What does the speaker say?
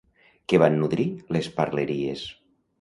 Què van nodrir les parleries?